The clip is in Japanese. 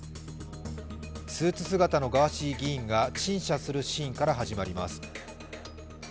スーツ姿のガーシー議員が陳謝するシーンから始まります。